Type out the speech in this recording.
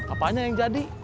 apanya yang jadi